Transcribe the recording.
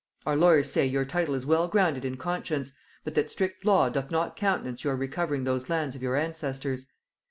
Our lawyers say, your title is well grounded in conscience, but that strict law doth not countenance your recovering those lands of your ancestors....